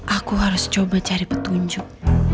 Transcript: aku harus coba cari petunjuk